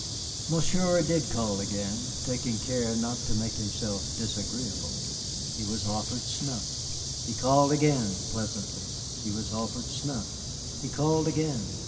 Monsieur did call again, taking care not to make himself disagreeable. He was offered snuff. He called again, pleasantly. He was offered snuff. He called again.